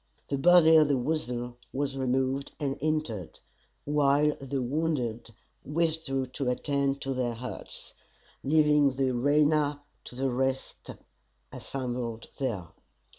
The body of The Weasel was removed, and interred, while the wounded withdrew to attend to their hurts; leaving the arena to the rest assembled there.